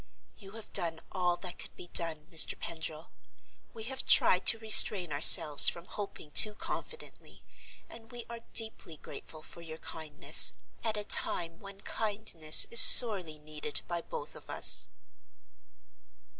"You have done all that could be done, Mr. Pendril. We have tried to restrain ourselves from hoping too confidently; and we are deeply grateful for your kindness, at a time when kindness is sorely needed by both of us."